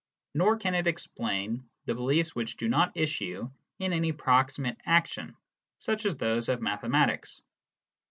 Nor can it explain the beliefs which do not issue in any proximate action, such as those of mathematics.